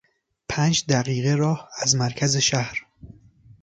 پنج دقیقه راه از مرکز شهر